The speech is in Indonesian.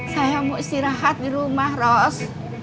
saya mau istirahat di rumah ros